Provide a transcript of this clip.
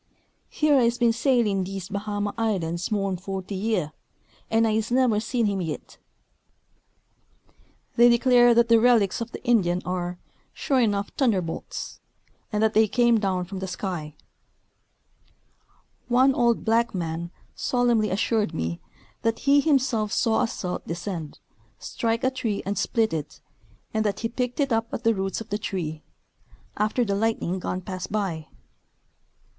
Here I's been sailing dese Bahama islands more'n fort}^ year, an' I's neber seen him yit." They declare that the relics of the Indian are " sho' enuff t'underbolts " and that they came down from the sk}^ One old black man solemnly assured me that he himself saw a celt descend, strike a tree and split it, and that he picked it up at the roots of the tree " after de lightning done pass by."